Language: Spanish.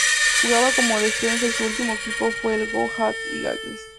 Jugaba como defensa y su último equipo fue el Go Ahead Eagles.